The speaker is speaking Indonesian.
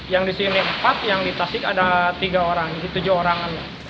yang di sini empat yang di tasik ada tiga orang tujuh orang